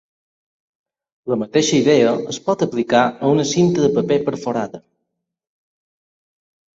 La mateixa idea es pot aplicar a una cinta de paper perforada.